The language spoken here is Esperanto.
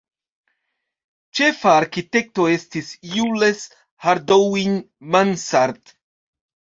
Ĉefa arkitekto estis Jules Hardouin-Mansart.